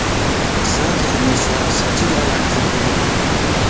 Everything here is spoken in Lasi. اسانک ھميشا سچ ڳالھائڻ کپ